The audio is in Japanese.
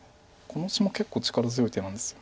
このオシも結構力強い手なんです。